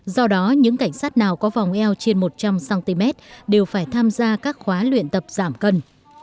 do đó những cảnh sát nào có vòng eo trên một trăm linh cm đều phải tham gia các khóa luyện tập giảm cân